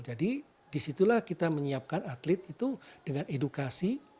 jadi disitulah kita menyiapkan atlet itu dengan edukasi